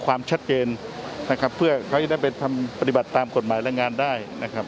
ความชัดเกณฑ์เพื่อเขาจะได้ไปภรรยาปฏิบัติตามกฎหมายและงานได้